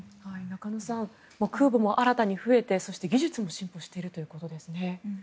中野さん空母も新たに増えて技術も進歩しているということですね。